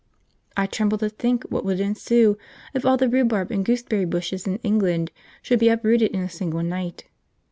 I tremble to think what would ensue if all the rhubarb and gooseberry bushes in England should be uprooted in a single night.